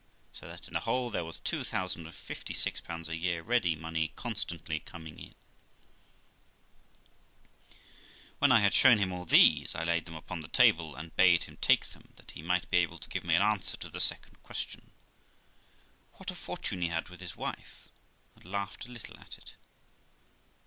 So that in the whole there was two thousand and fifty six pounds a year ready money constantly coming in. THE LIFE OF ROXANA 347 When I had shown him all these, I laid them upon the table, and bade him take them, that he might be able to give me an answer to the second question. What fortune he had with his wife? and laughed a little at it.